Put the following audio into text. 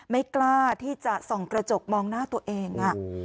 ไม่กล้าที่จะส่องกระจกมองหน้าตัวเอง